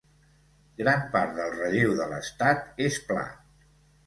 Gran part del relleu de l'estat és pla.